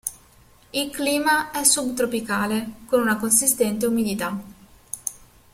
Il clima è subtropicale, con una consistente umidità.